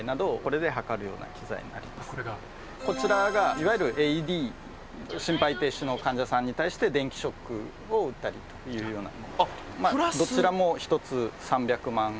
こちらがいわゆる心肺停止の患者さんに対して電気ショックを打ったりというような。え！